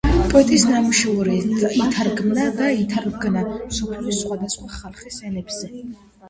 პოეტის ნამუშევრები ითარგმნა და ითარგმნა მსოფლიოს სხვადასხვა ხალხის ენებზე.